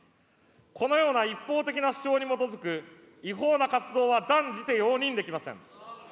このような一方的な主張に基づく違法な活動は断じて容認できません。